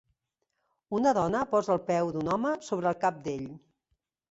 Una dona posa el peu d'un home sobre el cap d'ell.